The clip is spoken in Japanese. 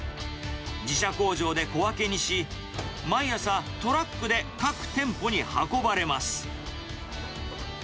自社工場で小分けにし、毎朝トラックで各店舗に運ばれます。